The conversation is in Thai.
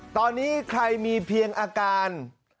ตอนนี้ใครมีเพียงอาการ